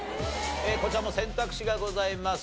こちらも選択肢がございます。